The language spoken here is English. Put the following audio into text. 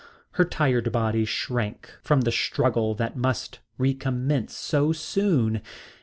Her tired body shrank from the struggle that must recommence so soon.